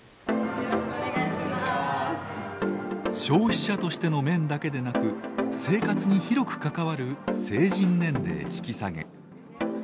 消費者としての面だけでなく生活に広く関わる成人年齢引き下げ。